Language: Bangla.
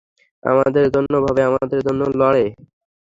আমাদের জন্য ভাবে, আমাদের জন্য লড়ে।